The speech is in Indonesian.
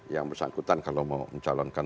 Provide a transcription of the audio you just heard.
yang bersangkutan kalau mau mencalonkan